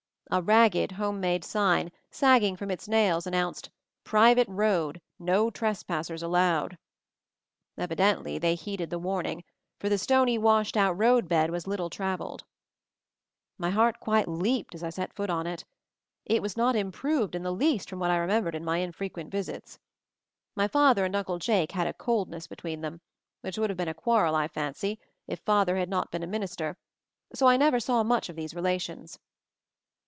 A ragged, home made sign, sagging from its nails, announced "Private Road. No trespassers allowed." Evidently they heeded the warning, for the stony, washed out roadbed was little trav eled. My heart quite leaped as I set foot on it. It was not "improved" in the least from what I remembered in my infrequent visits. My father and Uncle Jake had "a coldness" between them; which would have been a quarrel, I fancy, if father had not been a minister, §p I never saw much of these re lations.